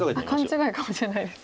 勘違いかもしれないです。